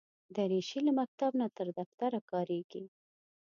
دریشي له مکتب نه تر دفتره کارېږي.